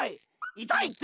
いたいって！